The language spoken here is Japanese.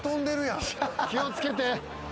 気を付けて。